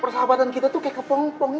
persahabatan kita tuh kayak kepong pong